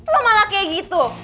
lo malah kayak gitu